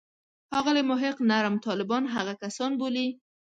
ښاغلی محق نرم طالبان هغه کسان بولي.